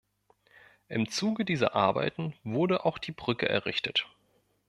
Im Zuge dieser Arbeiten wurde auch die Brücke errichtet.